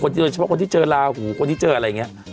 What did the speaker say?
โดยเฉพาะคนที่เจอลาหูคนที่เจออะไรอย่างนี้